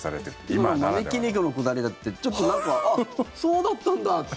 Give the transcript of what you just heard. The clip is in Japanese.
今、招き猫のくだりだってちょっとなんかあ、そうだったんだって。